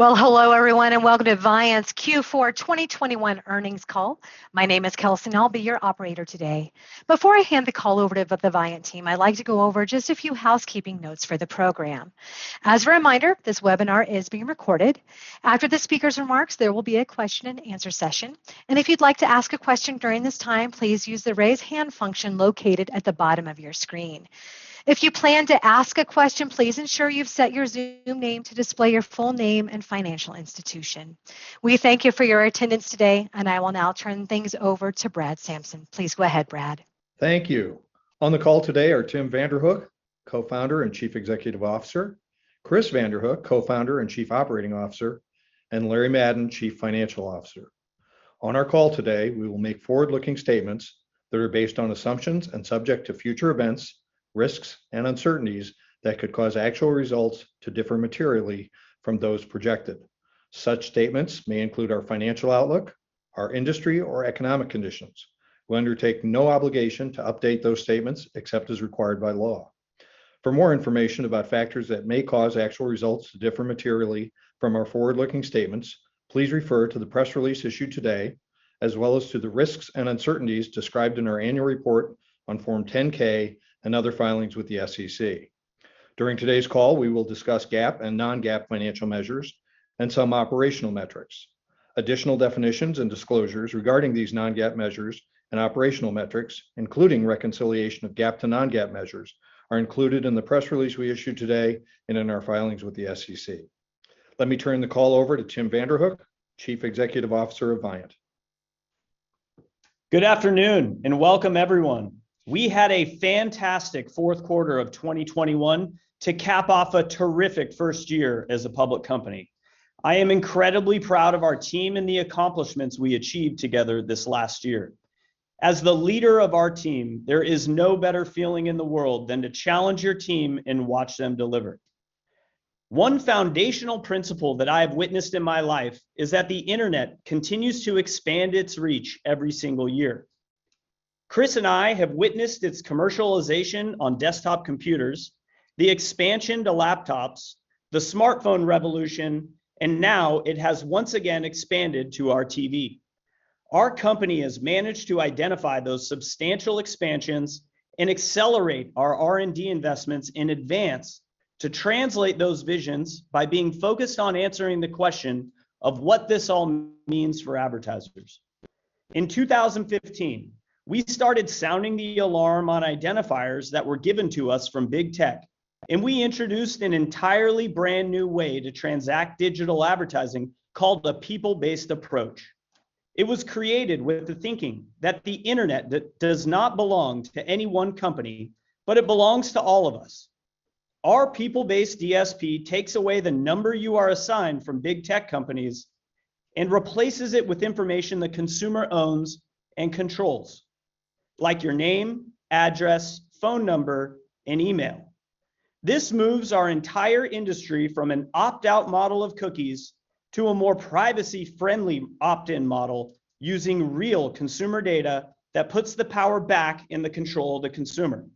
Well, hello everyone, and welcome to Viant's Q4 2021 earnings call. My name is Kelson. I'll be your operator today. Before I hand the call over to the Viant team, I'd like to go over just a few housekeeping notes for the program. As a reminder, this webinar is being recorded. After the speaker's remarks, there will be a question and answer session, and if you'd like to ask a question during this time, please use the Raise Hand function located at the bottom of your screen. If you plan to ask a question, please ensure you've set your Zoom name to display your full name and financial institution. We thank you for your attendance today, and I will now turn things over to Brad Samson. Please go ahead, Brad. Thank you. On the call today are Tim Vanderhook, co-founder and chief executive officer, Chris Vanderhook, co-founder and chief operating officer, and Larry Madden, chief financial officer. On our call today, we will make forward-looking statements that are based on assumptions and subject to future events, risks, and uncertainties that could cause actual results to differ materially from those projected. Such statements may include our financial outlook, our industry or economic conditions. We undertake no obligation to update those statements except as required by law. For more information about factors that may cause actual results to differ materially from our forward-looking statements, please refer to the press release issued today, as well as to the risks and uncertainties described in our annual report on Form 10-K and other filings with the SEC. During today's call, we will discuss GAAP and non-GAAP financial measures and some operational metrics. Additional definitions and disclosures regarding these non-GAAP measures and operational metrics, including reconciliation of GAAP to non-GAAP measures, are included in the press release we issued today and in our filings with the SEC. Let me turn the call over to Tim Vanderhook, Chief Executive Officer of Viant. Good afternoon, and welcome everyone. We had a fantastic fourth quarter of 2021 to cap off a terrific first year as a public company. I am incredibly proud of our team and the accomplishments we achieved together this last year. As the leader of our team, there is no better feeling in the world than to challenge your team and watch them deliver. One foundational principle that I have witnessed in my life is that the Internet continues to expand its reach every single year. Chris and I have witnessed its commercialization on desktop computers, the expansion to laptops, the smartphone revolution, and now it has once again expanded to our TV. Our company has managed to identify those substantial expansions and accelerate our R&D investments in advance to translate those visions by being focused on answering the question of what this all means for advertisers. In 2015, we started sounding the alarm on identifiers that were given to us from big tech, and we introduced an entirely brand-new way to transact digital advertising called the people-based approach. It was created with the thinking that the Internet does not belong to any one company, but it belongs to all of us. Our people-based DSP takes away the number you are assigned from big tech companies and replaces it with information the consumer owns and controls, like your name, address, phone number, and email. This moves our entire industry from an opt-out model of cookies to a more privacy-friendly opt-in model using real consumer data that puts the power back in the control of the consumer.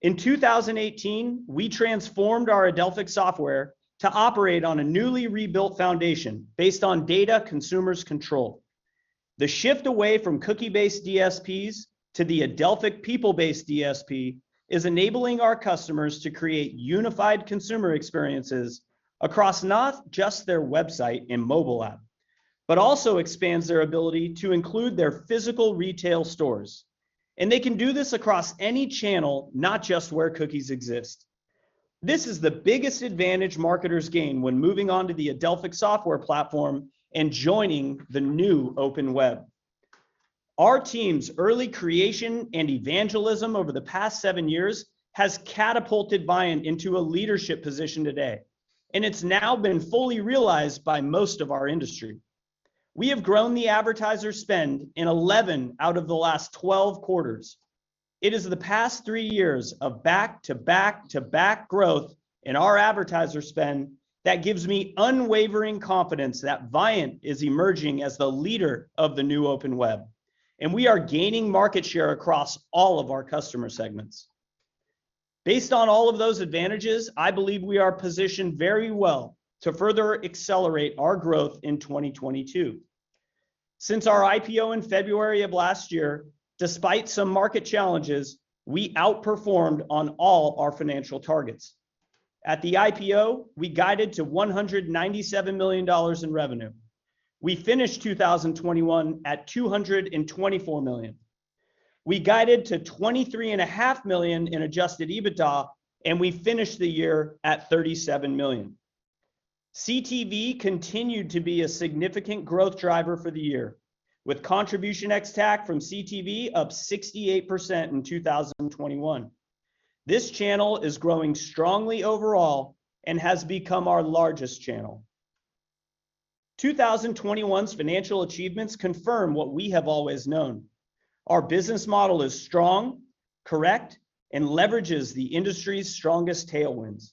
In 2018, we transformed our Adelphic software to operate on a newly rebuilt foundation based on data consumers control. The shift away from cookie-based DSPs to the Adelphic people-based DSP is enabling our customers to create unified consumer experiences across not just their website and mobile app, but also expands their ability to include their physical retail stores. They can do this across any channel, not just where cookies exist. This is the biggest advantage marketers gain when moving on to the Adelphic software platform and joining the New Open Web. Our team's early creation and evangelism over the past seven years has catapulted Viant into a leadership position today, and it's now been fully realized by most of our industry. We have grown the advertiser spend in 11 out of the last 12 quarters. It is the past three years of back-to-back-to-back growth in our advertiser spend that gives me unwavering confidence that Viant is emerging as the leader of the New Open Web, and we are gaining market share across all of our customer segments. Based on all of those advantages, I believe we are positioned very well to further accelerate our growth in 2022. Since our IPO in February of last year, despite some market challenges, we outperformed on all our financial targets. At the IPO, we guided to $197 million in revenue. We finished 2021 at $224 million. We guided to $23.5 million in adjusted EBITDA, and we finished the year at $37 million. CTV continued to be a significant growth driver for the year, with contribution ex-TAC from CTV up 68% in 2021. This channel is growing strongly overall and has become our largest channel. 2021's financial achievements confirm what we have always known. Our business model is strong, correct, and leverages the industry's strongest tailwinds.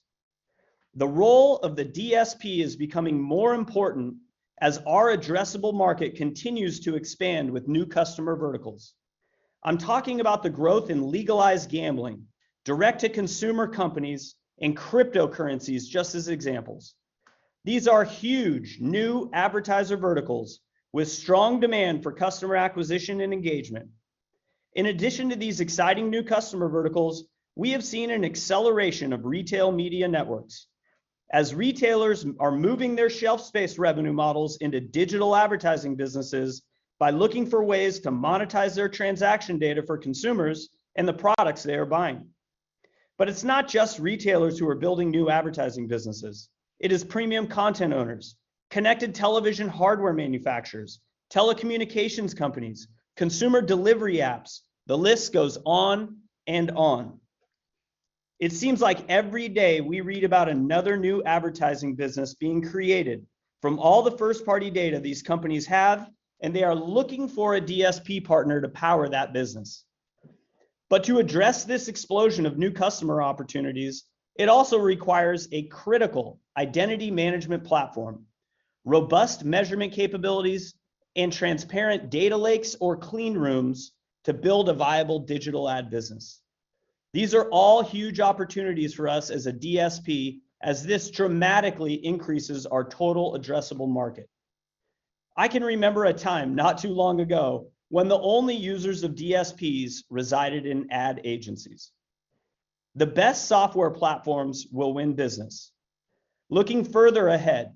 The role of the DSP is becoming more important as our addressable market continues to expand with new customer verticals. I'm talking about the growth in legalized gambling direct-to-consumer companies and cryptocurrencies just as examples. These are huge new advertiser verticals with strong demand for customer acquisition and engagement. In addition to these exciting new customer verticals, we have seen an acceleration of retail media networks as retailers are moving their shelf space revenue models into digital advertising businesses by looking for ways to monetize their transaction data for consumers and the products they are buying. It's not just retailers who are building new advertising businesses. It is premium content owners, connected television hardware manufacturers, telecommunications companies, consumer delivery apps. The list goes on and on. It seems like every day we read about another new advertising business being created from all the first-party data these companies have, and they are looking for a DSP partner to power that business. To address this explosion of new customer opportunities, it also requires a critical identity management platform, robust measurement capabilities, and transparent data lakes or clean rooms to build a viable digital ad business. These are all huge opportunities for us as a DSP as this dramatically increases our total addressable market. I can remember a time not too long ago when the only users of DSPs resided in ad agencies. The best software platforms will win business. Looking further ahead,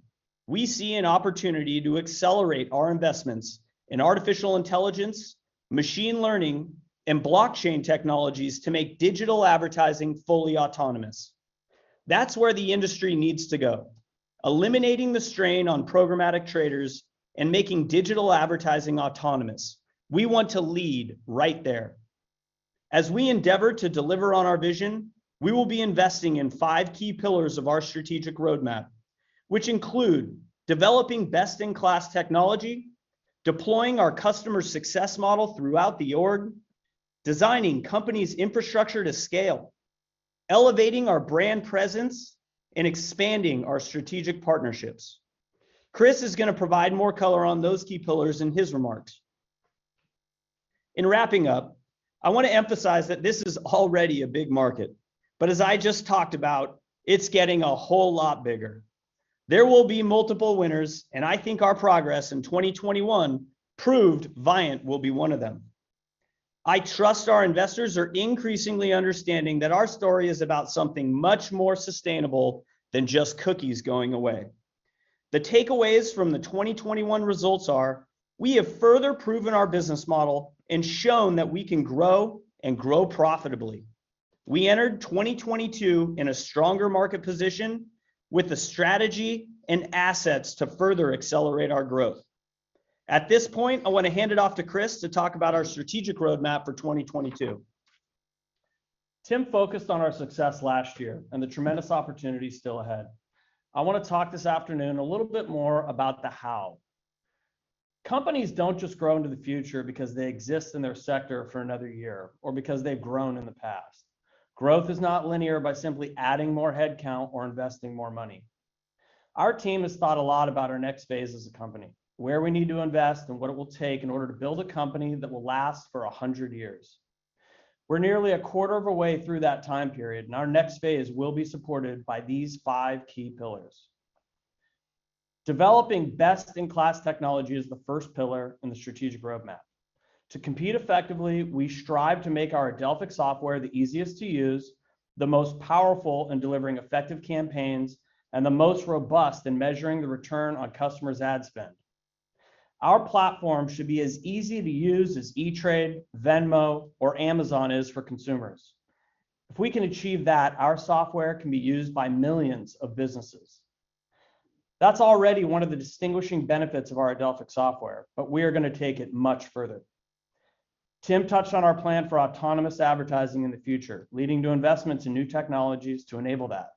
we see an opportunity to accelerate our investments in artificial intelligence, machine learning, and blockchain technologies to make digital advertising fully autonomous. That's where the industry needs to go, eliminating the strain on programmatic traders and making digital advertising autonomous. We want to lead right there. As we endeavor to deliver on our vision, we will be investing in five key pillars of our strategic roadmap, which include developing best-in-class technology, deploying our customer success model throughout the org, designing company's infrastructure to scale, elevating our brand presence, and expanding our strategic partnerships. Chris is gonna provide more color on those key pillars in his remarks. In wrapping up, I wanna emphasize that this is already a big market. As I just talked about, it's getting a whole lot bigger. There will be multiple winners, and I think our progress in 2021 proved Viant will be one of them. I trust our investors are increasingly understanding that our story is about something much more sustainable than just cookies going away. The takeaways from the 2021 results are we have further proven our business model and shown that we can grow and grow profitably. We entered 2022 in a stronger market position with the strategy and assets to further accelerate our growth. At this point, I wanna hand it off to Chris to talk about our strategic roadmap for 2022. Tim focused on our success last year and the tremendous opportunities still ahead. I wanna talk this afternoon a little bit more about the how. Companies don't just grow into the future because they exist in their sector for another year or because they've grown in the past. Growth is not linear by simply adding more headcount or investing more money. Our team has thought a lot about our next phase as a company, where we need to invest and what it will take in order to build a company that will last for 100 years. We're nearly a quarter of a way through that time period, and our next phase will be supported by these 5 key pillars. Developing best-in-class technology is the first pillar in the strategic roadmap. To compete effectively, we strive to make our Adelphic software the easiest to use, the most powerful in delivering effective campaigns, and the most robust in measuring the return on customers' ad spend. Our platform should be as easy to use as E*TRADE, Venmo, or Amazon is for consumers. If we can achieve that, our software can be used by millions of businesses. That's already one of the distinguishing benefits of our Adelphic software, but we are gonna take it much further. Tim touched on our plan for autonomous advertising in the future, leading to investments in new technologies to enable that.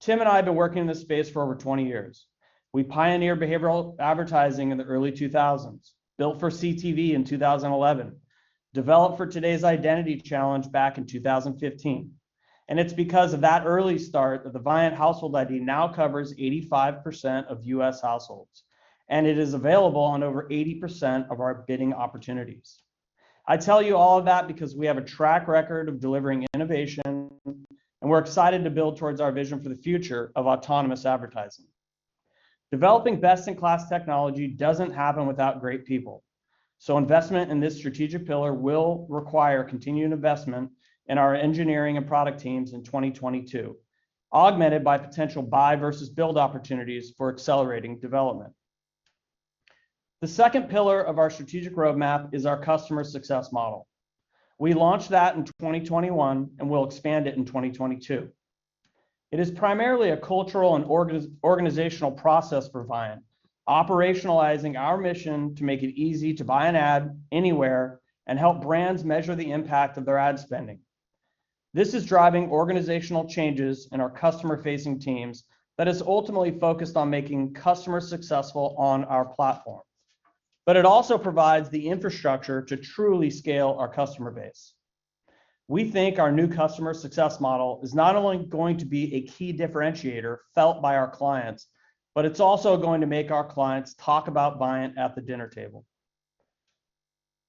Tim and I have been working in this space for over 20 years. We pioneered behavioral advertising in the early 2000s, built for CTV in 2011, developed for today's identity challenge back in 2015. It's because of that early start that the Viant Household ID now covers 85% of U.S. households, and it is available on over 80% of our bidding opportunities. I tell you all of that because we have a track record of delivering innovation, and we're excited to build towards our vision for the future of autonomous advertising. Developing best-in-class technology doesn't happen without great people, so investment in this strategic pillar will require continued investment in our engineering and product teams in 2022, augmented by potential buy versus build opportunities for accelerating development. The second pillar of our strategic roadmap is our customer success model. We launched that in 2021, and we'll expand it in 2022. It is primarily a cultural and organizational process for Viant, operationalizing our mission to make it easy to buy an ad anywhere and help brands measure the impact of their ad spending. This is driving organizational changes in our customer-facing teams that is ultimately focused on making customers successful on our platform. It also provides the infrastructure to truly scale our customer base. We think our new customer success model is not only going to be a key differentiator felt by our clients, but it's also going to make our clients talk about Viant at the dinner table.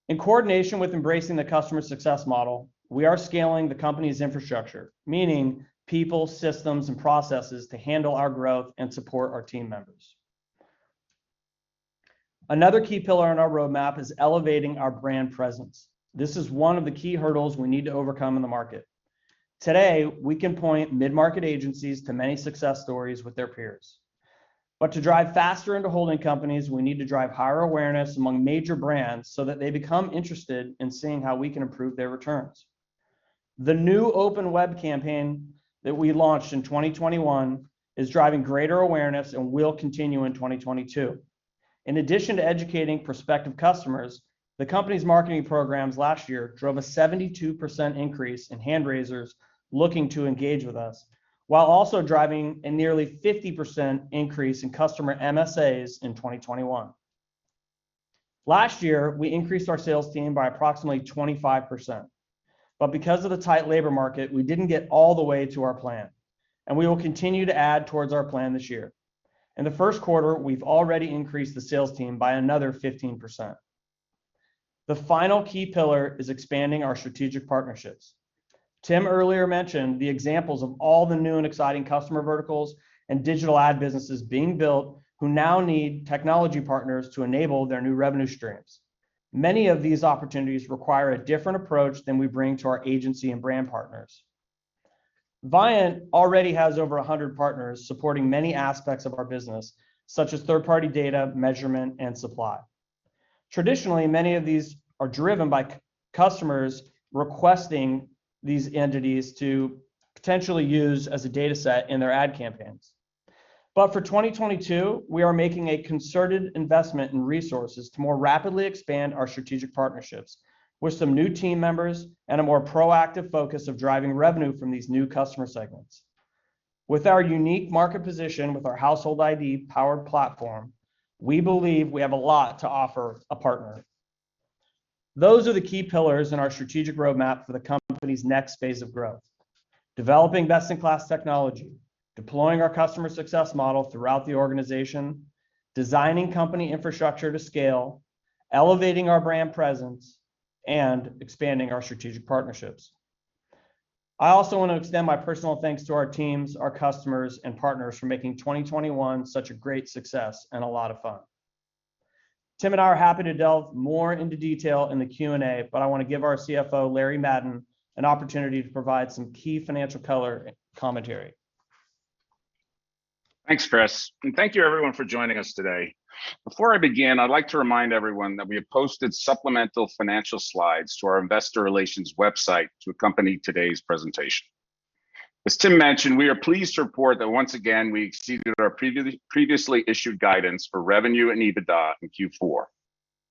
In coordination with embracing the customer success model, we are scaling the company's infrastructure, meaning people, systems, and processes to handle our growth and support our team members. Another key pillar in our roadmap is elevating our brand presence. This is one of the key hurdles we need to overcome in the market. Today, we can point mid-market agencies to many success stories with their peers. To drive faster into holding companies, we need to drive higher awareness among major brands so that they become interested in seeing how we can improve their returns. The New Open Web campaign that we launched in 2021 is driving greater awareness and will continue in 2022. In addition to educating prospective customers, the company's marketing programs last year drove a 72% increase in hand raisers looking to engage with us, while also driving a nearly 50% increase in customer MSAs in 2021. Last year, we increased our sales team by approximately 25%. Because of the tight labor market, we didn't get all the way to our plan, and we will continue to add towards our plan this year. In the first quarter, we've already increased the sales team by another 15%. The final key pillar is expanding our strategic partnerships. Tim earlier mentioned the examples of all the new and exciting customer verticals and digital ad businesses being built who now need technology partners to enable their new revenue streams. Many of these opportunities require a different approach than we bring to our agency and brand partners. Viant already has over 100 partners supporting many aspects of our business, such as third-party data, measurement, and supply. Traditionally, many of these are driven by customers requesting these entities to potentially use as a dataset in their ad campaigns. For 2022, we are making a concerted investment in resources to more rapidly expand our strategic partnerships with some new team members and a more proactive focus of driving revenue from these new customer segments. With our unique market position with our household ID-powered platform, we believe we have a lot to offer a partner. Those are the key pillars in our strategic roadmap for the company's next phase of growth. Developing best-in-class technology, deploying our customer success model throughout the organization, designing company infrastructure to scale, elevating our brand presence, and expanding our strategic partnerships. I also wanna extend my personal thanks to our teams, our customers, and partners for making 2021 such a great success and a lot of fun. Tim and I are happy to delve more into detail in the Q&A, but I wanna give our CFO, Larry Madden, an opportunity to provide some key financial color commentary. Thanks, Chris. Thank you everyone for joining us today. Before I begin, I'd like to remind everyone that we have posted supplemental financial slides to our investor relations website to accompany today's presentation. As Tim mentioned, we are pleased to report that once again we exceeded our previously issued guidance for revenue and EBITDA in Q4.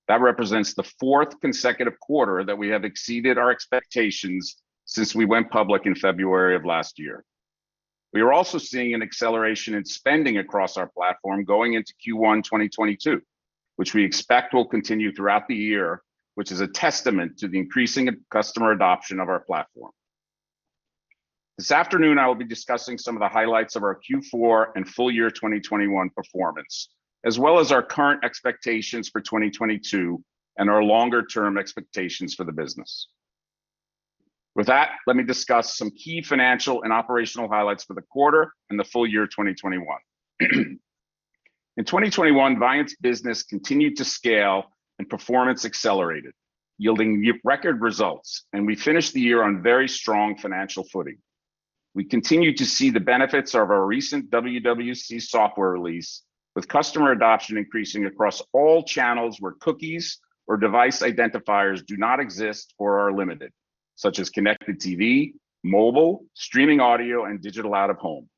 That represents the fourth consecutive quarter that we have exceeded our expectations since we went public in February of last year. We are also seeing an acceleration in spending across our platform going into Q1, 2022, which we expect will continue throughout the year, which is a testament to the increasing customer adoption of our platform. This afternoon, I will be discussing some of the highlights of our Q4 and full year 2021 performance, as well as our current expectations for 2022 and our longer term expectations for the business. With that, let me discuss some key financial and operational highlights for the quarter and the full year 2021. In 2021, Viant's business continued to scale and performance accelerated, yielding record results, and we finished the year on very strong financial footing. We continued to see the benefits of our recent WWC software release, with customer adoption increasing across all channels where cookies or device identifiers do not exist or are limited, such as connected TV, mobile, streaming audio, and digital out-of-home.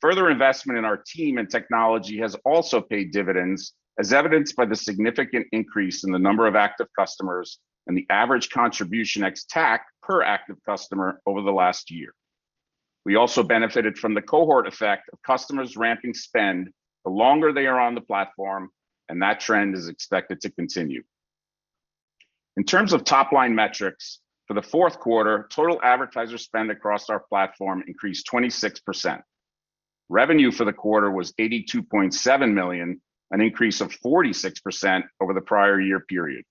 Further investment in our team and technology has also paid dividends, as evidenced by the significant increase in the number of active customers and the average contribution ex-TAC per active customer over the last year. We also benefited from the cohort effect of customers ramping spend the longer they are on the platform, and that trend is expected to continue. In terms of top-line metrics, for the fourth quarter, total advertiser spend across our platform increased 26%. Revenue for the quarter was $82.7 million, an increase of 46% over the prior year period.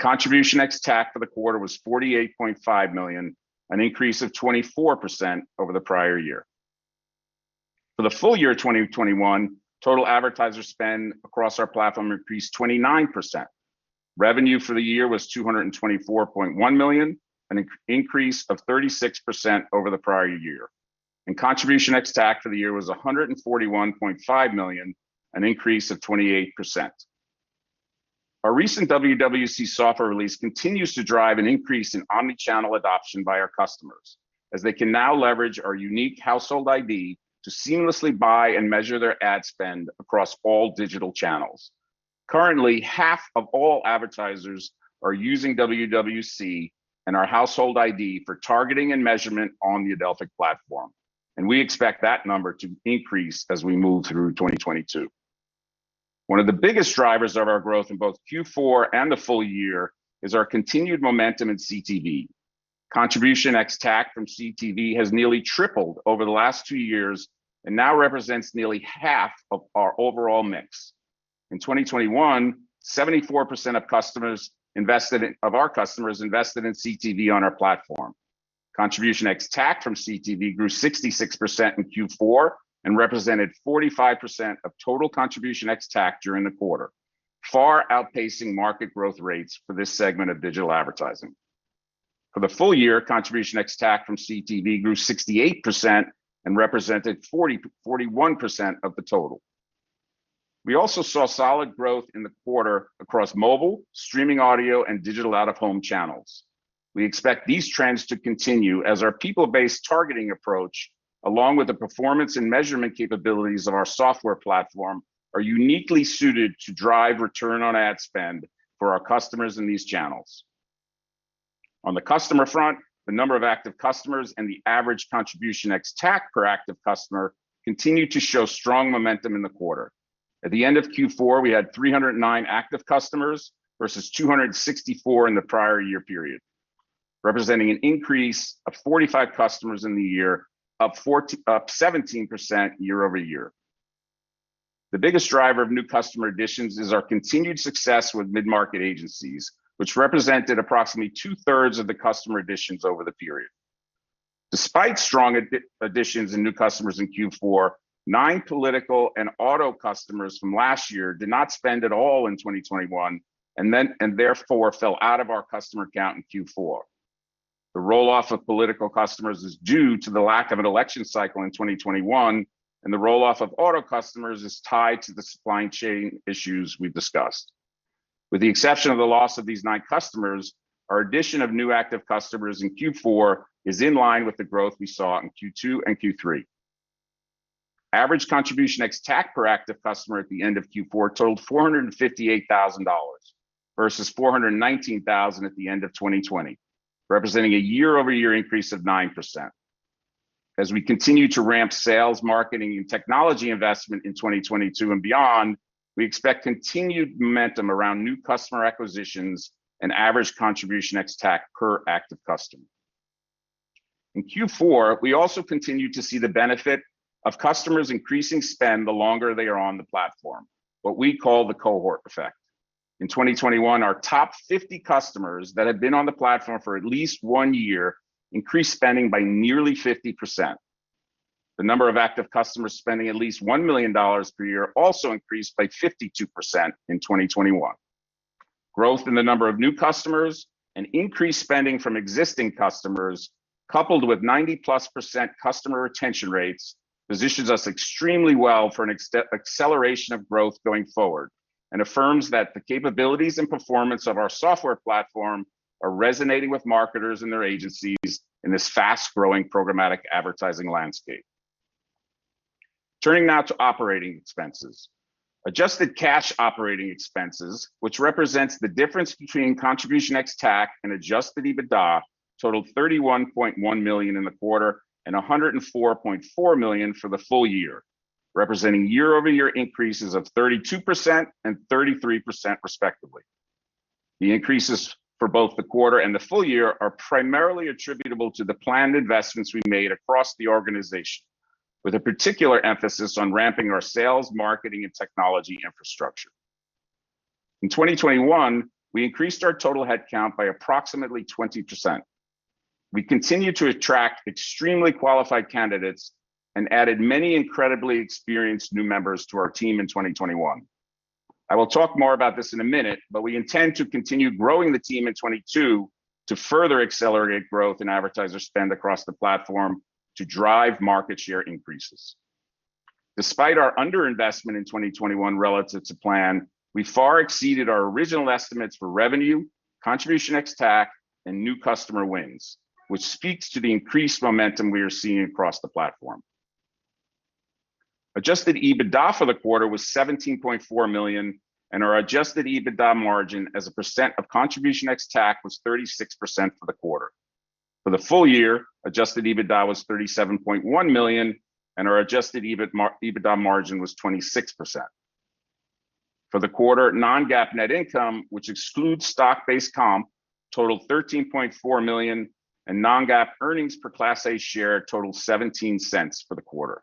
Contribution ex-TAC for the quarter was $48.5 million, an increase of 24% over the prior year. For the full year 2021, total advertiser spend across our platform increased 29%. Revenue for the year was $224.1 million, an increase of 36% over the prior year. Contribution ex-TAC for the year was $141.5 million, an increase of 28%. Our recent WWC software release continues to drive an increase in omni-channel adoption by our customers, as they can now leverage our unique Household ID to seamlessly buy and measure their ad spend across all digital channels. Currently, half of all advertisers are using WWC and our Household ID for targeting and measurement on the Adelphic platform, and we expect that number to increase as we move through 2022. One of the biggest drivers of our growth in both Q4 and the full year is our continued momentum in CTV. Contribution ex-TAC from CTV has nearly tripled over the last two years and now represents nearly half of our overall mix. In 2021, 74% of our customers invested in CTV on our platform. Contribution ex-TAC from CTV grew 66% in Q4 and represented 45% of total contribution ex-TAC during the quarter, far outpacing market growth rates for this segment of digital advertising. For the full year, contribution ex-TAC from CTV grew 68% and represented 40%-41% of the total. We also saw solid growth in the quarter across mobile, streaming audio and digital out-of-home channels. We expect these trends to continue as our people-based targeting approach, along with the performance and measurement capabilities of our software platform, are uniquely suited to drive return on ad spend for our customers in these channels. On the customer front, the number of active customers and the average contribution ex-TAC per active customer continued to show strong momentum in the quarter. At the end of Q4, we had 309 active customers versus 264 in the prior year period, representing an increase of 45 customers in the year, up 17% year-over-year. The biggest driver of new customer additions is our continued success with mid-market agencies, which represented approximately two-thirds of the customer additions over the period. Despite strong additions in new customers in Q4, 9 political and auto customers from last year did not spend at all in 2021, and therefore fell out of our customer count in Q4. The roll-off of political customers is due to the lack of an election cycle in 2021, and the roll-off of auto customers is tied to the supply chain issues we've discussed. With the exception of the loss of these 9 customers, our addition of new active customers in Q4 is in line with the growth we saw in Q2 and Q3. Average contribution ex-TAC per active customer at the end of Q4 totaled $458,000 versus $419,000 at the end of 2020, representing a year-over-year increase of 9%. As we continue to ramp sales, marketing, and technology investment in 2022 and beyond, we expect continued momentum around new customer acquisitions and average contribution ex-TAC per active customer. In Q4, we also continued to see the benefit of customers increasing spend the longer they are on the platform, what we call the cohort effect. In 2021, our top 50 customers that had been on the platform for at least 1 year increased spending by nearly 50%. The number of active customers spending at least $1 million per year also increased by 52% in 2021. Growth in the number of new customers and increased spending from existing customers, coupled with 90+% customer retention rates, positions us extremely well for a stepped-up acceleration of growth going forward, and affirms that the capabilities and performance of our software platform are resonating with marketers and their agencies in this fast-growing programmatic advertising landscape. Turning now to operating expenses. Adjusted cash operating expenses, which represents the difference between contribution ex TAC and adjusted EBITDA, totaled $31.1 million in the quarter and $104.4 million for the full year, representing year-over-year increases of 32% and 33% respectively. The increases for both the quarter and the full year are primarily attributable to the planned investments we made across the organization, with a particular emphasis on ramping our sales, marketing, and technology infrastructure. In 2021, we increased our total headcount by approximately 20%. We continued to attract extremely qualified candidates and added many incredibly experienced new members to our team in 2021. I will talk more about this in a minute, but we intend to continue growing the team in 2022 to further accelerate growth in advertiser spend across the platform to drive market share increases. Despite our under-investment in 2021 relative to plan, we far exceeded our original estimates for revenue, contribution ex-TAC, and new customer wins, which speaks to the increased momentum we are seeing across the platform. Adjusted EBITDA for the quarter was $17.4 million, and our adjusted EBITDA margin as a percent of contribution ex-TAC was 36% for the quarter. For the full year, adjusted EBITDA was $37.1 million, and our adjusted EBITDA margin was 26%. For the quarter, non-GAAP net income, which excludes stock-based comp, totaled $13.4 million, and non-GAAP earnings per Class A share totaled $0.17 for the quarter.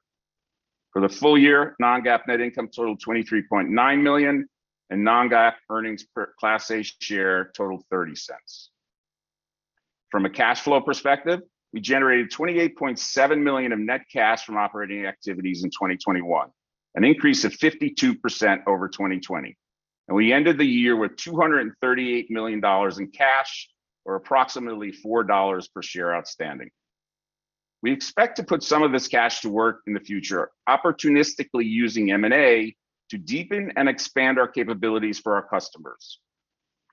For the full year, non-GAAP net income totaled $23.9 million, and non-GAAP earnings per Class A share totaled $0.30. From a cash flow perspective, we generated $28.7 million of net cash from operating activities in 2021, an increase of 52% over 2020. We ended the year with $238 million in cash or approximately $4 per share outstanding. We expect to put some of this cash to work in the future, opportunistically using M&A to deepen and expand our capabilities for our customers.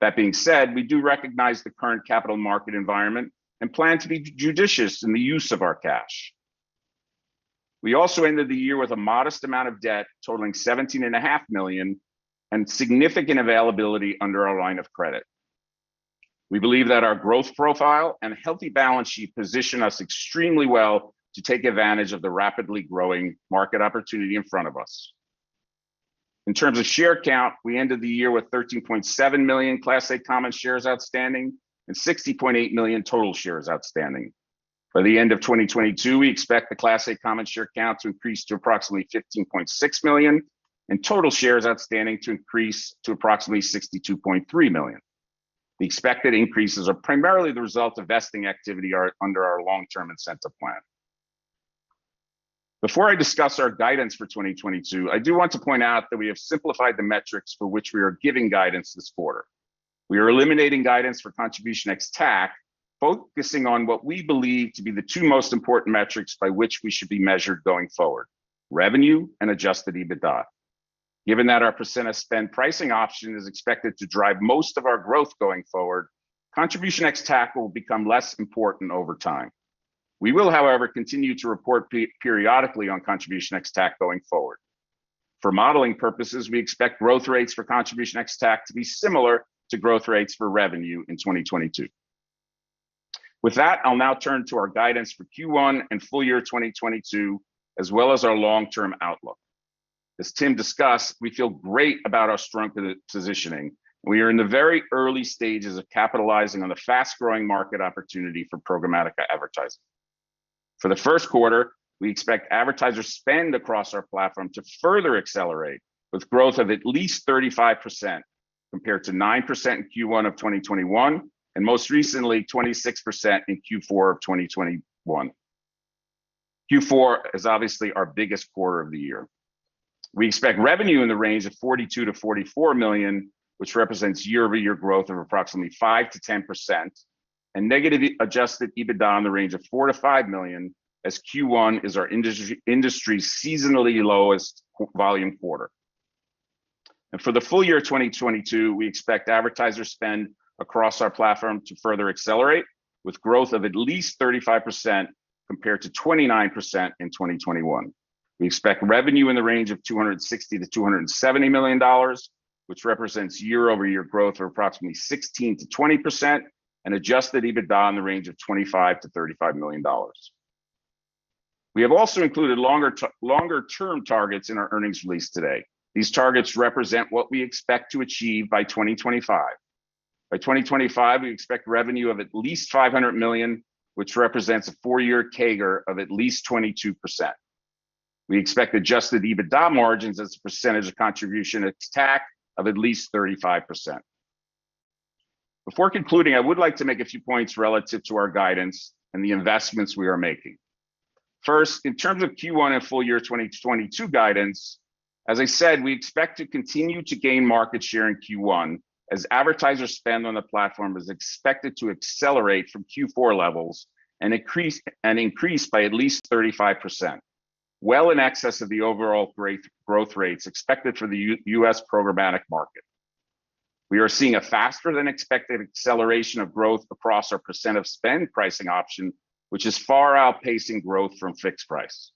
That being said, we do recognize the current capital market environment and plan to be judicious in the use of our cash. We also ended the year with a modest amount of debt totaling $17.5 million and significant availability under our line of credit. We believe that our growth profile and healthy balance sheet position us extremely well to take advantage of the rapidly growing market opportunity in front of us. In terms of share count, we ended the year with 13.7 million Class A common shares outstanding and 60.8 million total shares outstanding. By the end of 2022, we expect the Class A common share count to increase to approximately 15.6 million and total shares outstanding to increase to approximately 62.3 million. The expected increases are primarily the result of vesting activity under our long-term incentive plan. Before I discuss our guidance for 2022, I do want to point out that we have simplified the metrics for which we are giving guidance this quarter. We are eliminating guidance for contribution ex-TAC, focusing on what we believe to be the two most important metrics by which we should be measured going forward, revenue and adjusted EBITDA. Given that our percent of spend pricing option is expected to drive most of our growth going forward, contribution ex-TAC will become less important over time. We will, however, continue to report periodically on contribution ex-TAC going forward. For modeling purposes, we expect growth rates for contribution ex-TAC to be similar to growth rates for revenue in 2022. With that, I'll now turn to our guidance for Q1 and full year 2022, as well as our long-term outlook. As Tim discussed, we feel great about our strength and positioning. We are in the very early stages of capitalizing on the fast-growing market opportunity for programmatic advertising. For the first quarter, we expect advertisers spend across our platform to further accelerate with growth of at least 35% compared to 9% in Q1 of 2021, and most recently, 26% in Q4 of 2021. Q4 is obviously our biggest quarter of the year. We expect revenue in the range of $42 million-$44 million, which represents year-over-year growth of approximately 5%-10%, and negative adjusted EBITDA in the range of $4 million-$5 million as Q1 is our industry seasonally lowest volume quarter. For the full year of 2022, we expect advertisers spend across our platform to further accelerate with growth of at least 35% compared to 29% in 2021. We expect revenue in the range of $260 million-$270 million, which represents year-over-year growth of approximately 16%-20% and adjusted EBITDA in the range of $25 million-$35 million. We have also included longer term targets in our earnings release today. These targets represent what we expect to achieve by 2025. By 2025, we expect revenue of at least $500 million, which represents a four-year CAGR of at least 22%. We expect adjusted EBITDA margins as a percentage of contribution ex-TAC of at least 35%. Before concluding, I would like to make a few points relative to our guidance and the investments we are making. First, in terms of Q1 and full-year 2022 guidance, as I said, we expect to continue to gain market share in Q1 as advertiser spend on the platform is expected to accelerate from Q4 levels and increase by at least 35%, well in excess of the overall growth rates expected for the U.S. programmatic market. We are seeing a faster than expected acceleration of growth across our percent of spend pricing option, which is far outpacing growth from fixed price.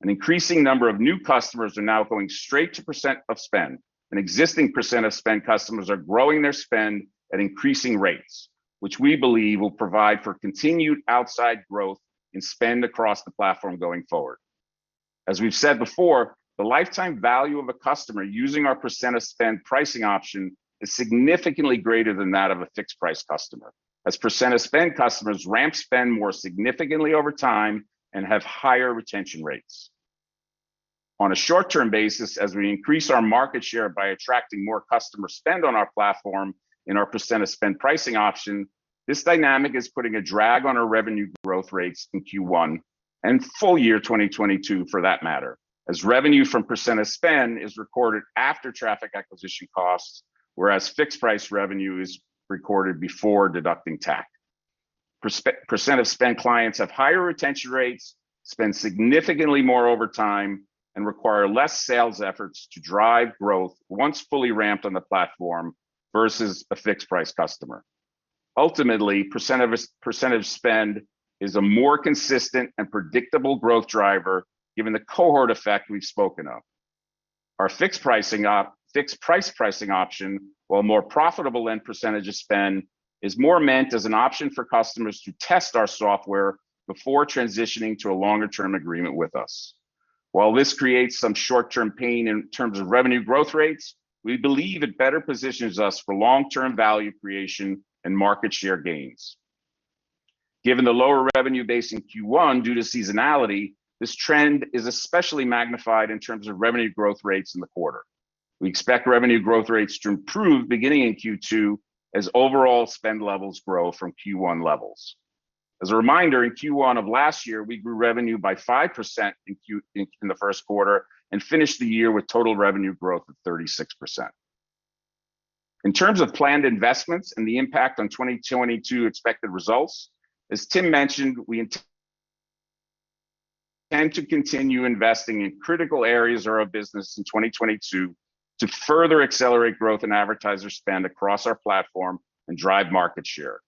An increasing number of new customers are now going straight to percent of spend, and existing percent of spend customers are growing their spend at increasing rates, which we believe will provide for continued outsize growth and spend across the platform going forward. As we've said before, the lifetime value of a customer using our percent of spend pricing option is significantly greater than that of a fixed price customer. As percent of spend customers ramp spend more significantly over time and have higher retention rates. On a short-term basis, as we increase our market share by attracting more customer spend on our platform in our percent of spend pricing option, this dynamic is putting a drag on our revenue growth rates in Q1 and full year 2022 for that matter, as revenue from percent of spend is recorded after traffic acquisition costs, whereas fixed price revenue is recorded before deducting TAC. Percent of spend clients have higher retention rates, spend significantly more over time, and require less sales efforts to drive growth once fully ramped on the platform versus a fixed price customer. Ultimately, percent of spend is a more consistent and predictable growth driver given the cohort effect we've spoken of. Our fixed price pricing option, while more profitable than percentage of spend, is more meant as an option for customers to test our software before transitioning to a longer term agreement with us. While this creates some short-term pain in terms of revenue growth rates, we believe it better positions us for long-term value creation and market share gains. Given the lower revenue base in Q1 due to seasonality, this trend is especially magnified in terms of revenue growth rates in the quarter. We expect revenue growth rates to improve beginning in Q2 as overall spend levels grow from Q1 levels. As a reminder, in Q1 of last year, we grew revenue by 5% in the first quarter and finished the year with total revenue growth of 36%. In terms of planned investments and the impact on 2022 expected results, as Tim mentioned, we intend to continue investing in critical areas of our business in 2022 to further accelerate growth in advertiser spend across our platform and drive market share.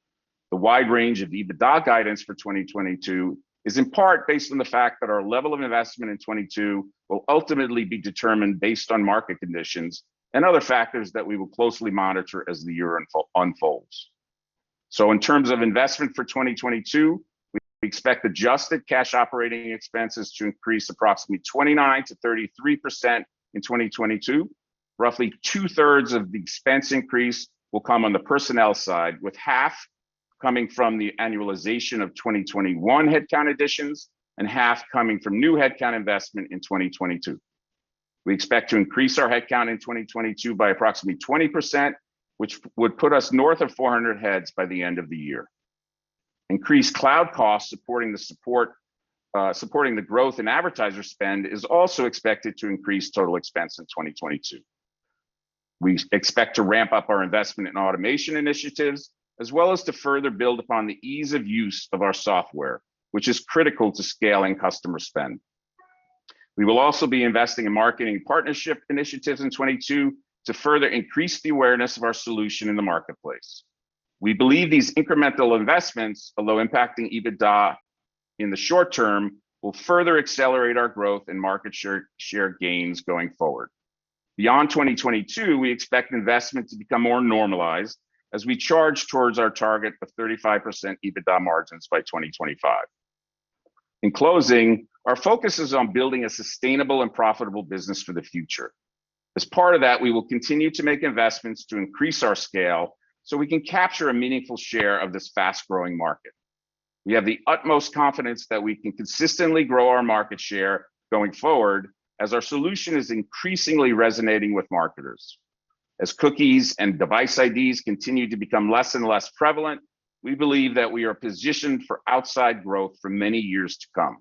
The wide range of EBITDA guidance for 2022 is in part based on the fact that our level of investment in 2022 will ultimately be determined based on market conditions and other factors that we will closely monitor as the year unfolds. In terms of investment for 2022, we expect adjusted cash operating expenses to increase approximately 29%-33% in 2022. Roughly two-thirds of the expense increase will come on the personnel side, with half coming from the annualization of 2021 headcount additions and half coming from new headcount investment in 2022. We expect to increase our headcount in 2022 by approximately 20%, which would put us north of 400 heads by the end of the year. Increased cloud costs supporting the growth in advertiser spend is also expected to increase total expense in 2022. We expect to ramp up our investment in automation initiatives as well as to further build upon the ease of use of our software, which is critical to scaling customer spend. We will also be investing in marketing partnership initiatives in 2022 to further increase the awareness of our solution in the marketplace. We believe these incremental investments, although impacting EBITDA in the short term, will further accelerate our growth and market share gains going forward. Beyond 2022, we expect investment to become more normalized as we charge towards our target of 35% EBITDA margins by 2025. In closing, our focus is on building a sustainable and profitable business for the future. As part of that, we will continue to make investments to increase our scale so we can capture a meaningful share of this fast-growing market. We have the utmost confidence that we can consistently grow our market share going forward as our solution is increasingly resonating with marketers. As cookies and device IDs continue to become less and less prevalent, we believe that we are positioned for outsized growth for many years to come.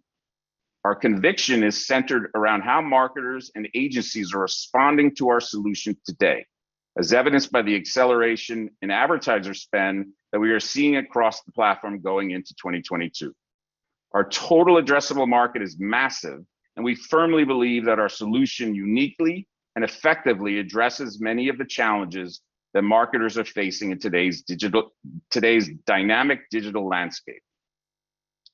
Our conviction is centered around how marketers and agencies are responding to our solution today, as evidenced by the acceleration in advertiser spend that we are seeing across the platform going into 2022. Our total addressable market is massive, and we firmly believe that our solution uniquely and effectively addresses many of the challenges that marketers are facing in today's dynamic digital landscape.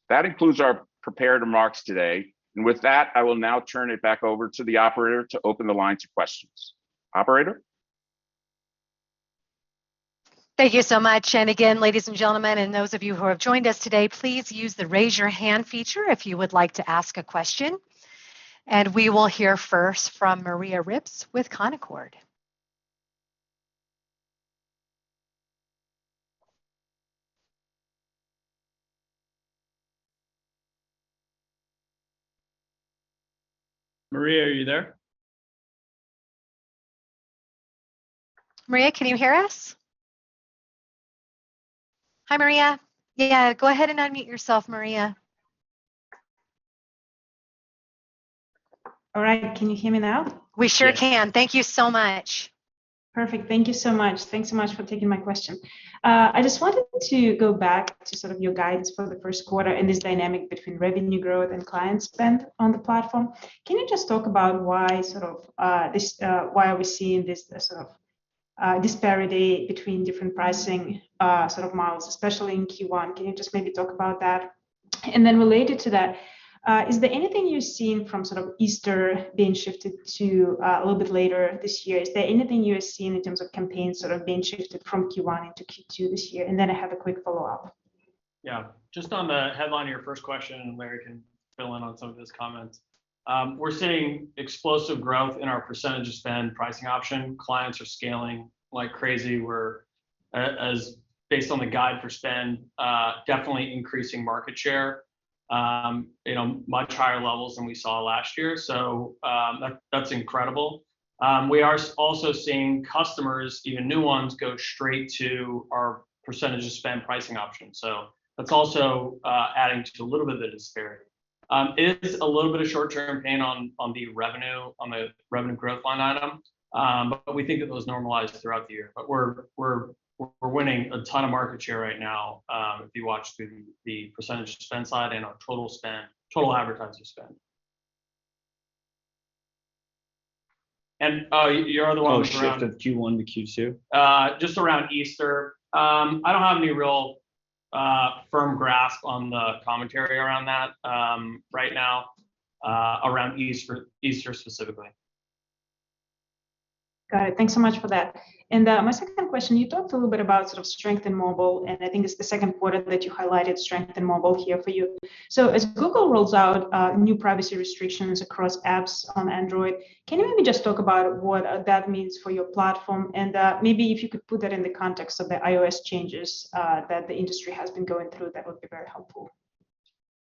That concludes our prepared remarks today. With that, I will now turn it back over to the operator to open the line to questions. Operator? Thank you so much. Again, ladies and gentlemen, and those of you who have joined us today, please use the raise your hand feature if you would like to ask a question. We will hear first from Maria Ripps with Canaccord Genuity. Maria, are you there? Maria, can you hear us? Hi, Maria. Yeah, go ahead and unmute yourself, Maria. All right. Can you hear me now? We sure can. Thank you so much. Perfect. Thank you so much. Thanks so much for taking my question. I just wanted to go back to sort of your guidance for the first quarter and this dynamic between revenue growth and client spend on the platform. Can you just talk about why are we seeing this sort of disparity between different pricing sort of models, especially in Q1? Can you just maybe talk about that? Related to that, is there anything you're seeing from sort of Easter being shifted to a little bit later this year? Is there anything you are seeing in terms of campaigns sort of being shifted from Q1 into Q2 this year? I have a quick follow-up. Yeah. Just on the headline of your first question, and Larry can fill in on some of his comments. We're seeing explosive growth in our percentage of spend pricing option. Clients are scaling like crazy. We're, as based on the guide for spend, definitely increasing market share, in much higher levels than we saw last year. That's incredible. We are also seeing customers, even new ones, go straight to our percentage of spend pricing option. That's also adding to a little bit of the disparity. It is a little bit of short-term pain on the revenue growth line item. But we think that those normalize throughout the year. We're winning a ton of market share right now, if you watch the percentage spend side and our total spend, total advertiser spend. Your other one was around- The shift of Q1 to Q2. Just around Easter. I don't have any real, firm grasp on the commentary around that, right now, around Easter specifically. Got it. Thanks so much for that. My second question, you talked a little bit about sort of strength in mobile, and I think it's the second quarter that you highlighted strength in mobile here for you. As Google rolls out new privacy restrictions across apps on Android, can you maybe just talk about what that means for your platform? Maybe if you could put that in the context of the iOS changes that the industry has been going through, that would be very helpful.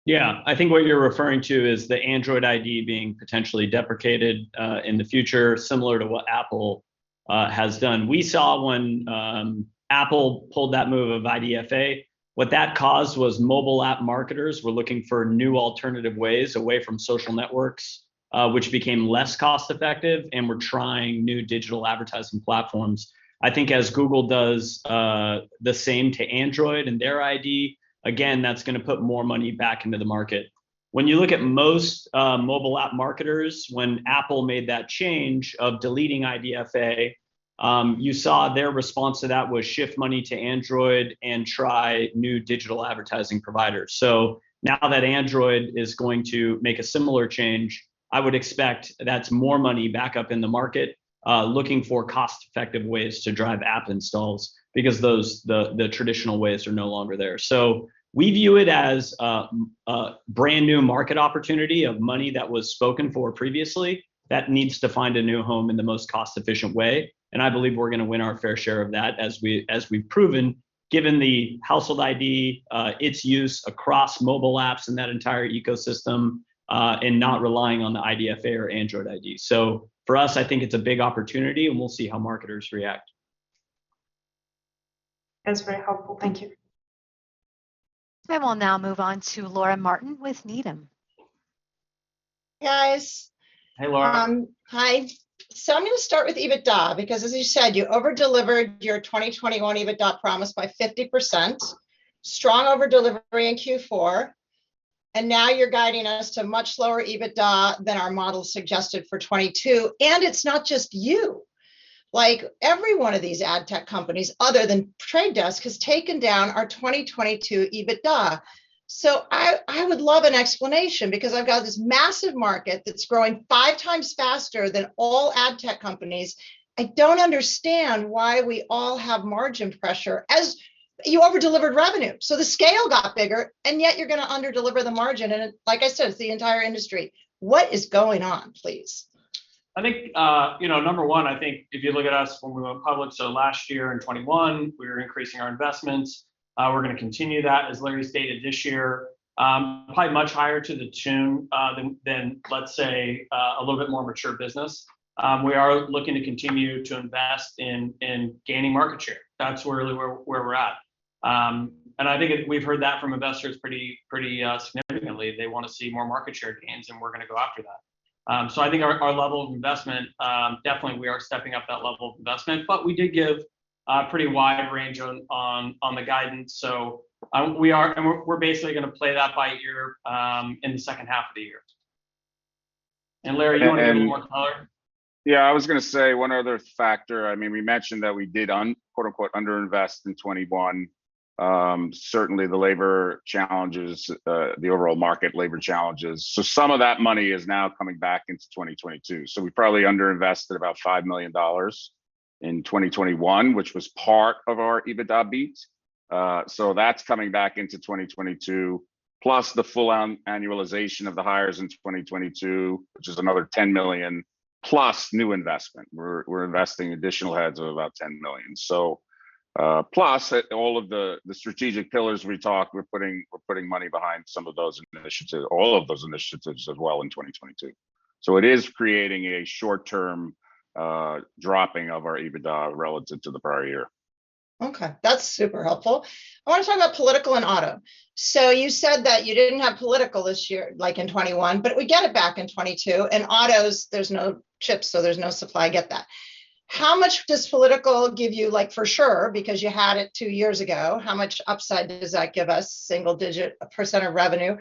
Yeah. I think what you're referring to is the Android ID being potentially deprecated in the future, similar to what Apple has done. We saw when Apple pulled that move of IDFA, what that caused was mobile app marketers were looking for new alternative ways away from social networks, which became less cost-effective and were trying new digital advertising platforms. I think as Google does the same to Android and their ID, again, that's gonna put more money back into the market. When you look at most mobile app marketers, when Apple made that change of deleting IDFA, you saw their response to that was to shift money to Android and try new digital advertising providers. Now that Android is going to make a similar change, I would expect that's more money back up in the market looking for cost-effective ways to drive app installs, because the traditional ways are no longer there. We view it as a brand-new market opportunity of money that was spoken for previously that needs to find a new home in the most cost-efficient way, and I believe we're gonna win our fair share of that as we've proven, given the Household ID, its use across mobile apps and that entire ecosystem, and not relying on the IDFA or Android ID. For us, I think it's a big opportunity, and we'll see how marketers react. That's very helpful. Thank you. We will now move on to Laura Martin with Needham. Hey, guys. Hey, Laura. Hi. I'm gonna start with EBITDA, because as you said, you over-delivered your 2021 EBITDA promise by 50%, strong over-delivery in Q4, and now you're guiding us to much lower EBITDA than our model suggested for 2022. It's not just you. Like, every one of these ad tech companies, other than The Trade Desk, has taken down our 2022 EBITDA. I would love an explanation, because I've got this massive market that's growing five times faster than all ad tech companies. I don't understand why we all have margin pressure as you over-delivered revenue, so the scale got bigger, and yet you're gonna under-deliver the margin. Like I said, it's the entire industry. What is going on, please? I think, you know, number one, I think if you look at us when we went public, so last year in 2021, we were increasing our investments. We're gonna continue that, as Larry stated, this year, probably much higher to the tune than, let's say, a little bit more mature business. We are looking to continue to invest in gaining market share. That's really where we're at. I think we've heard that from investors pretty significantly. They wanna see more market share gains, and we're gonna go after that. I think our level of investment, definitely we are stepping up that level of investment. We did give a pretty wide range on the guidance. We are... We're basically gonna play that by ear in the second half of the year. Larry, you wanna give any more color? Yeah, I was gonna say one other factor. I mean, we mentioned that we did quote-unquote under-invest in 2021. Certainly the labor challenges, the overall market labor challenges. Some of that money is now coming back into 2022. We probably under-invested about $5 million in 2021, which was part of our EBITDA beat. That's coming back into 2022, plus the full annualization of the hires in 2022, which is another $10 million, plus new investment. We're investing additional heads of about $10 million. Plus all of the strategic pillars we talked, we're putting money behind some of those initiatives, all of those initiatives as well in 2022. It is creating a short-term dropping of our EBITDA relative to the prior year. Okay. That's super helpful. I wanna talk about political and auto. You said that you didn't have political this year, like in 2021, but we get it back in 2022. In autos, there's no chips, so there's no supply. Get that. How much does political give you, like, for sure, because you had it two years ago? How much upside does that give us, single-digit % of revenue?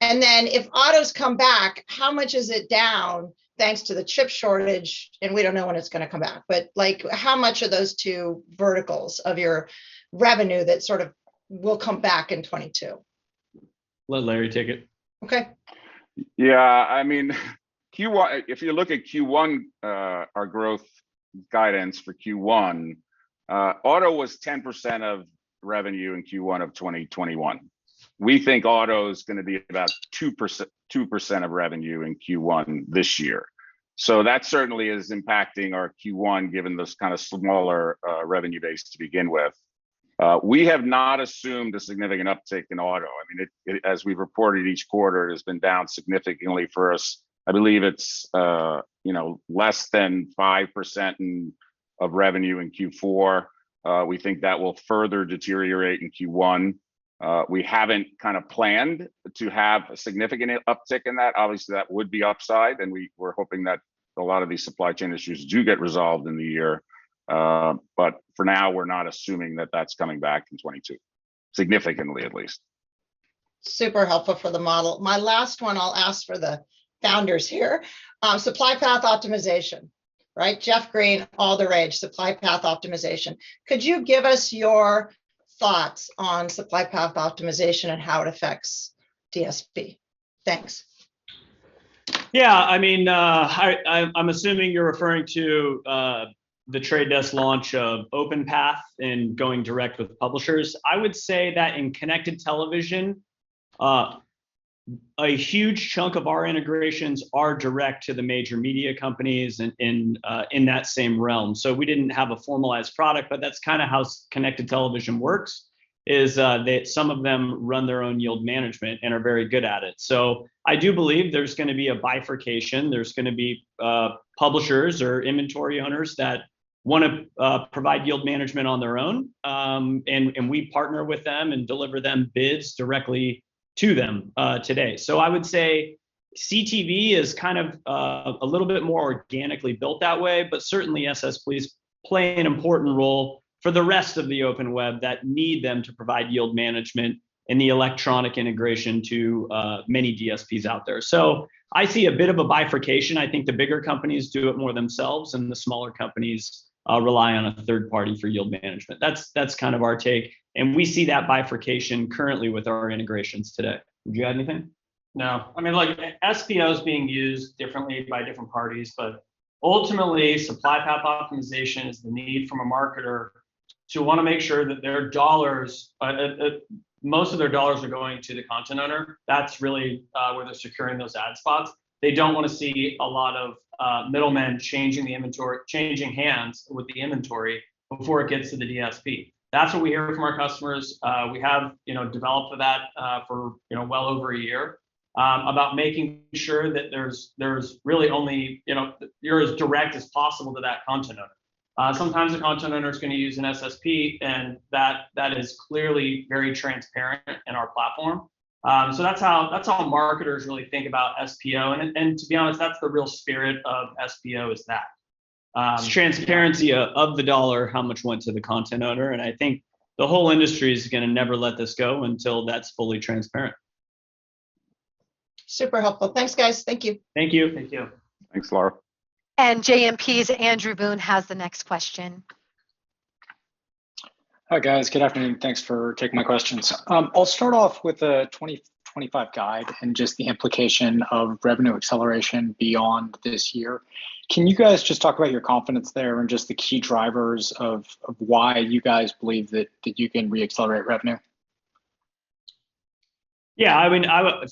Then if autos come back, how much is it down thanks to the chip shortage, and we don't know when it's gonna come back, but, like, how much of those two verticals of your revenue that sort of will come back in 2022? Let Larry take it. Okay. Yeah. I mean, Q1. If you look at Q1, our growth guidance for Q1, auto was 10% of revenue in Q1 of 2021. We think auto is gonna be about 2%, 2% of revenue in Q1 this year. So that certainly is impacting our Q1, given this kind of smaller revenue base to begin with. We have not assumed a significant uptick in auto. I mean, it, as we've reported each quarter, has been down significantly for us. I believe it's, you know, less than 5% of revenue in Q4. We think that will further deteriorate in Q1. We haven't kind of planned to have a significant uptick in that. Obviously, that would be upside, and we're hoping that a lot of these supply chain issues do get resolved in the year. For now, we're not assuming that that's coming back in 2022, significantly at least. Super helpful for the model. My last one, I'll ask for the founders here. Supply path optimization, right? Jeff Green, all the rage, supply path optimization. Could you give us your thoughts on supply path optimization and how it affects DSP? Thanks. Yeah. I mean, I'm assuming you're referring to The Trade Desk launch of OpenPath and going direct with publishers. I would say that in connected television, a huge chunk of our integrations are direct to the major media companies in that same realm. We didn't have a formalized product, but that's kind of how connected television works, is that some of them run their own yield management and are very good at it. I do believe there's gonna be a bifurcation. There's gonna be publishers or inventory owners that wanna provide yield management on their own. We partner with them and deliver them bids directly to them today. I would say CTV is kind of a little bit more organically built that way, but certainly SSPs play an important role for the rest of the open web that need them to provide yield management and the electronic integration to many DSPs out there. I see a bit of a bifurcation. I think the bigger companies do it more themselves, and the smaller companies rely on a third party for yield management. That's kind of our take, and we see that bifurcation currently with our integrations today. Do you have anything? No. I mean, like, SPO is being used differently by different parties, but ultimately, supply path optimization is the need from a marketer to wanna make sure that their dollars, that most of their dollars are going to the content owner. That's really where they're securing those ad spots. They don't wanna see a lot of middle men changing the inventory, changing hands with the inventory before it gets to the DSP. That's what we hear from our customers. We have, you know, developed that for, you know, well over a year about making sure that there's really only, you know, you're as direct as possible to that content owner. Sometimes the content owner's gonna use an SSP, and that is clearly very transparent in our platform. So that's how marketers really think about SPO. to be honest, that's the real spirit of SPO is that It's transparency of the dollar, how much went to the content owner, and I think the whole industry is gonna never let this go until that's fully transparent. Super helpful. Thanks, guys. Thank you. Thank you. Thank you. Thanks, Laura. JMP's Andrew Boone has the next question. Hi, guys. Good afternoon. Thanks for taking my questions. I'll start off with the 2025 guide and just the implication of revenue acceleration beyond this year. Can you guys just talk about your confidence there and just the key drivers of why you guys believe that you can re-accelerate revenue? Yeah. I mean,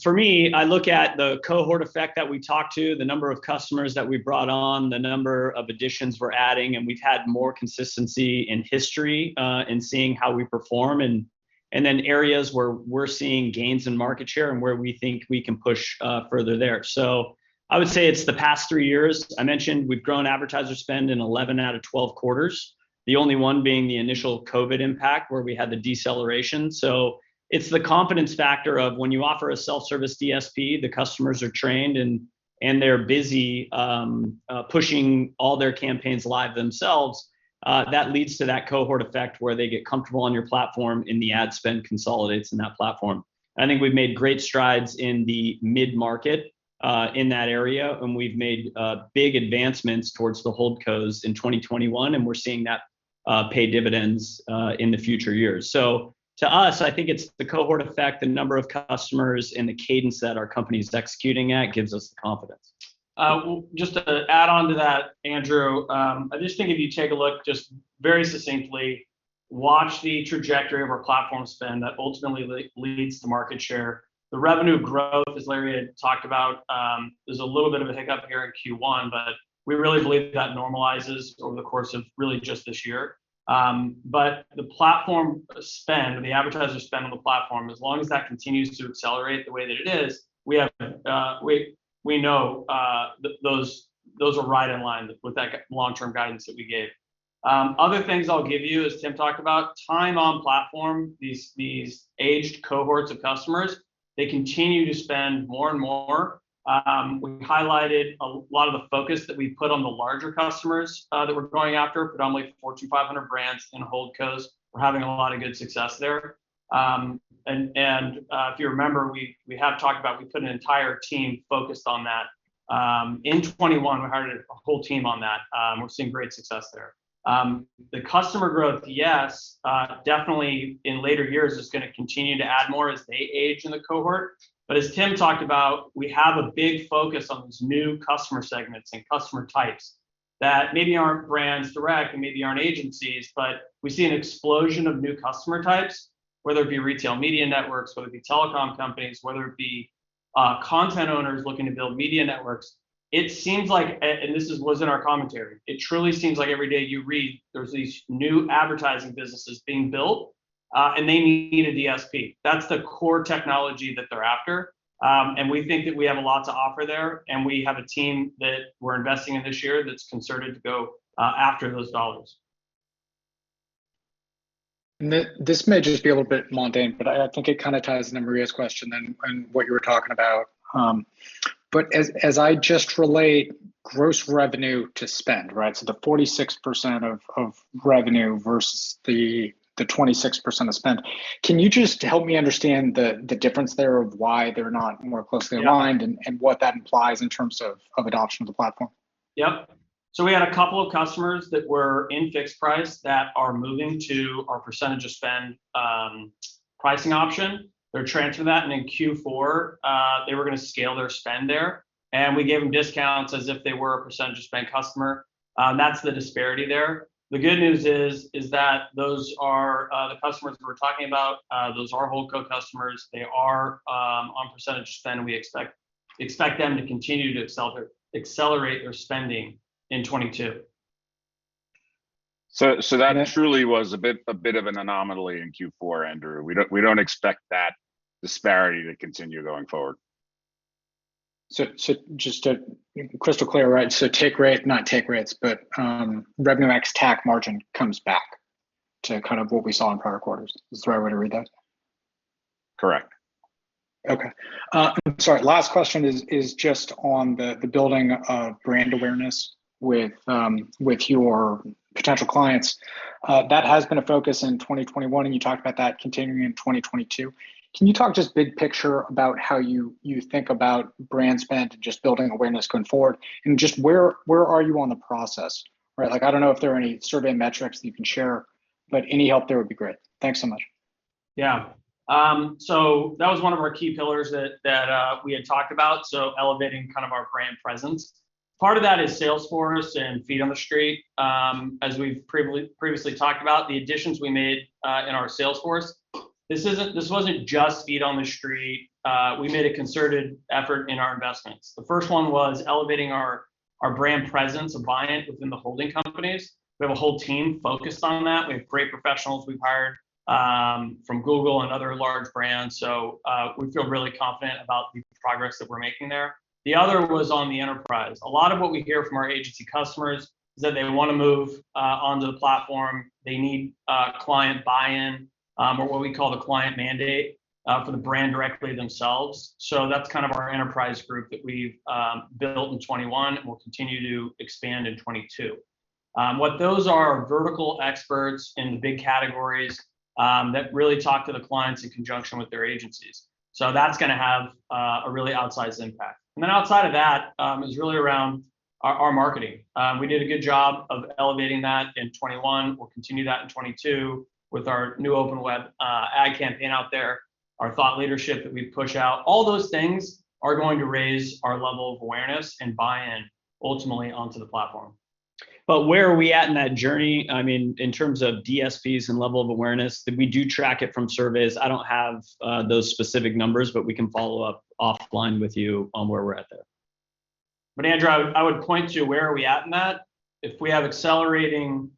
for me, I look at the cohort effect that we talked to, the number of customers that we brought on, the number of additions we're adding, and we've had more consistency in history, in seeing how we perform and then areas where we're seeing gains in market share and where we think we can push, further there. I would say it's the past three years. I mentioned we've grown advertiser spend in 11 out of 12 quarters, the only one being the initial COVID impact where we had the deceleration. It's the confidence factor of when you offer a self-service DSP, the customers are trained and they're busy, pushing all their campaigns live themselves. That leads to that cohort effect where they get comfortable on your platform and the ad spend consolidates in that platform. I think we've made great strides in the mid-market in that area, and we've made big advancements towards the holdcos in 2021, and we're seeing that pay dividends in the future years. To us, I think it's the cohort effect, the number of customers, and the cadence that our company's executing at gives us the confidence. Well, just to add onto that, Andrew, I just think if you take a look just very succinctly, watch the trajectory of our platform spend that ultimately leads to market share. The revenue growth, as Larry had talked about, there's a little bit of a hiccup here in Q1, but we really believe that normalizes over the course of really just this year. The platform spend, the advertiser spend on the platform, as long as that continues to accelerate the way that it is, we know those are right in line with that long-term guidance that we gave. Other things I'll give you, as Tim talked about, time on platform, these aged cohorts of customers, they continue to spend more and more. We highlighted a lot of the focus that we put on the larger customers that we're going after, predominantly Fortune 500 brands and holdcos. We're having a lot of good success there. If you remember, we have talked about we put an entire team focused on that. In 2021 we hired a whole team on that, and we're seeing great success there. The customer growth, yes, definitely in later years is gonna continue to add more as they age in the cohort. As Tim talked about, we have a big focus on these new customer segments and customer types that maybe aren't brands direct and maybe aren't agencies, but we see an explosion of new customer types, whether it be retail media networks, whether it be telecom companies, whether it be content owners looking to build media networks. It seems like this was in our commentary. It truly seems like every day you read there's these new advertising businesses being built, and they need a DSP. That's the core technology that they're after. We think that we have a lot to offer there, and we have a team that we're investing in this year that's concerted to go after those dollars. This may just be a little bit mundane, but I think it kind of ties into Maria's question and what you were talking about. But as I just relate gross revenue to spend, right? The 46% of revenue versus the 26% of spend. Can you just help me understand the difference there of why they're not more closely aligned? Yeah what that implies in terms of adoption of the platform? Yep. We had a couple of customers that were in fixed price that are moving to our percentage of spend pricing option. They're transferring that, and in Q4, they were gonna scale their spend there, and we gave them discounts as if they were a percentage of spend customer. That's the disparity there. The good news is that those are the customers we were talking about, those are holdco customers. They are on percentage spend, and we expect them to continue to accelerate their spending in 2022. That truly was a bit of an anomaly in Q4, Andrew. We don't expect that disparity to continue going forward. Just to be crystal clear, right? Take rate, not take rates, but revenue ex TAC margin comes back to kind of what we saw in prior quarters. Is that the right way to read that? Correct. Okay. Sorry, last question is just on the building of brand awareness with your potential clients. That has been a focus in 2021, and you talked about that continuing in 2022. Can you talk just big picture about how you think about brand spend, just building awareness going forward, and just where are you on the process, right? Like, I don't know if there are any survey metrics that you can share, but any help there would be great. Thanks so much. That was one of our key pillars that we had talked about, elevating kind of our brand presence. Part of that is sales force and feet on the street. As we've previously talked about, the additions we made in our sales force, this wasn't just feet on the street. We made a concerted effort in our investments. The first one was elevating our brand presence and buy-in within the holding companies. We have a whole team focused on that. We have great professionals we've hired from Google and other large brands. We feel really confident about the progress that we're making there. The other was on the enterprise. A lot of what we hear from our agency customers is that they wanna move onto the platform. They need a client buy-in, or what we call the client mandate, for the brand directly themselves. That's kind of our enterprise group that we've built in 2021, and we'll continue to expand in 2022. What those are vertical experts in the big categories, that really talk to the clients in conjunction with their agencies. That's gonna have a really outsized impact. Then outside of that is really around our marketing. We did a good job of elevating that in 2021. We'll continue that in 2022 with our new Viant ad campaign out there, our thought leadership that we push out. All those things are going to raise our level of awareness and buy-in ultimately onto the platform. Where are we at in that journey, I mean, in terms of DSPs and level of awareness? We do track it from surveys. I don't have those specific numbers, but we can follow up offline with you on where we're at there. Andrew, I would point to where are we at in that, if we have accelerating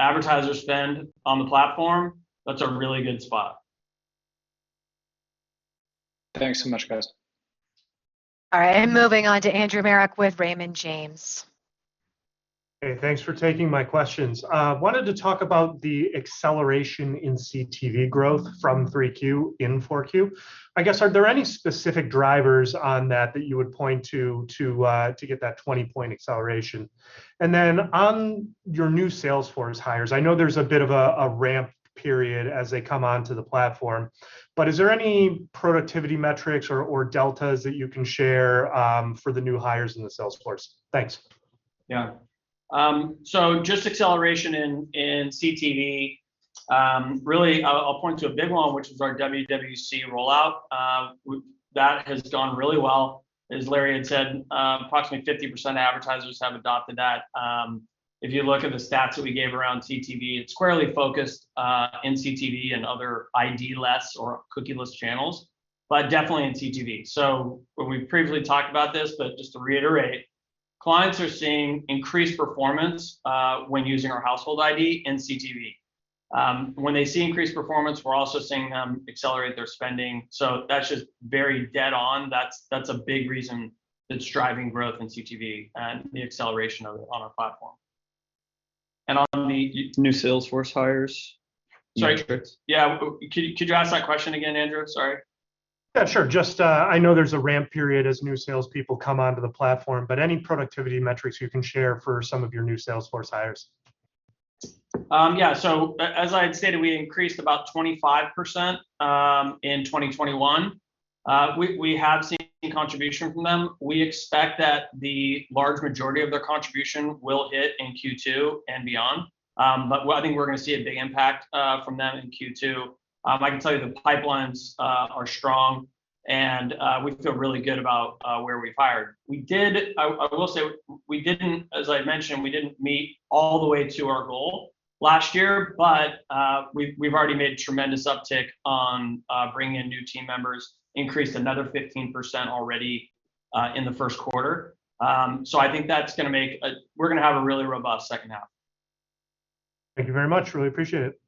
advertiser spend on the platform, that's a really good spot. Thanks so much, guys. All right, moving on to Andrew Marok with Raymond James. Hey, thanks for taking my questions. Wanted to talk about the acceleration in CTV growth from 3Q to 4Q. I guess, are there any specific drivers on that that you would point to to get that 20-point acceleration? On your new sales force hires, I know there's a bit of a ramp period as they come onto the platform, but is there any productivity metrics or deltas that you can share for the new hires in the sales force? Thanks. Yeah. Just acceleration in CTV, really I'll point to a big one, which is our WWC rollout. That has gone really well. As Larry had said, approximately 50% of advertisers have adopted that. If you look at the stats that we gave around CTV, it's squarely focused in CTV and other ID-less or cookie-less channels, but definitely in CTV. We've previously talked about this, but just to reiterate, clients are seeing increased performance when using our Household ID in CTV. When they see increased performance, we're also seeing them accelerate their spending. That's just very dead on. That's a big reason that's driving growth in CTV and the acceleration of it on our platform. On the new Salesforce hires metrics? Sorry. Yeah. Could you ask that question again, Andrew? Sorry. Yeah, sure. Just, I know there's a ramp period as new salespeople come onto the platform, but any productivity metrics you can share for some of your new sales force hires? Yeah. As I had stated, we increased about 25% in 2021. We have seen contribution from them. We expect that the large majority of their contribution will hit in Q2 and beyond. I think we're gonna see a big impact from them in Q2. I can tell you the pipelines are strong, and we feel really good about where we've hired. I will say we didn't, as I mentioned, meet all the way to our goal last year, but we've already made tremendous uptick on bringing in new team members, increased another 15% already in the first quarter. I think that's gonna make. We're gonna have a really robust second half. Thank you very much. Really appreciate it.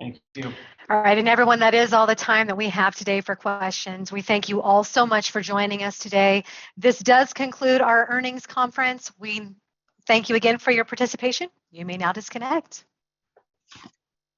Thank you. All right. Everyone, that is all the time that we have today for questions. We thank you all so much for joining us today. This does conclude our earnings conference. We thank you again for your participation. You may now disconnect.